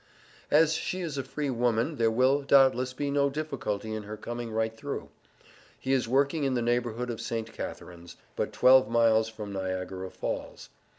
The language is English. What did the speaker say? As she is a free woman, there will, doubtless, be no difficulty in her coming right through. He is working in the neighborhood of St. Catharines, but twelve miles from Niagara Falls.